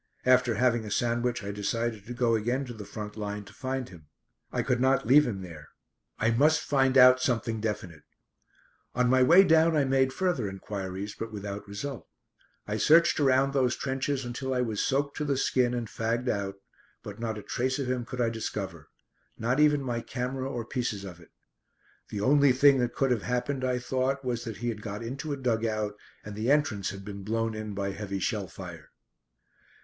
After having a sandwich, I decided to go again to the front line to find him. I could not leave him there. I must find out something definite. On my way down I made further enquiries, but without result. I searched around those trenches until I was soaked to the skin and fagged out, but not a trace of him could I discover; not even my camera or pieces of it. The only thing that could have happened, I thought, was that he had got into a dug out, and the entrance had been blown in by heavy shell fire.